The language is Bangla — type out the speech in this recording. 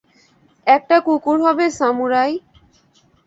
একটা কুকুর হবে সামুরাই?